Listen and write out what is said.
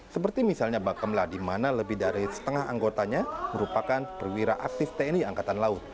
seperti misalnya bakamla di mana lebih dari setengah anggotanya merupakan perwira aktif tni angkatan laut